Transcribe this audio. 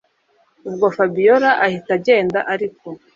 ubwo fabiora ahita agenda ariko